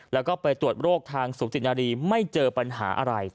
แล้วก็ไปตรวจโรคทางสุจินารีไม่เจอปัญหาอะไร